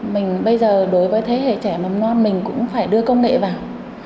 mình bây giờ đối với thế hệ trẻ mầm non mình cũng phải đưa công nghệ vào